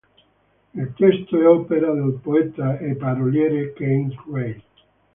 Il testo è opera del poeta e paroliere Keith Reid.